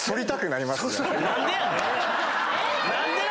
何でやねん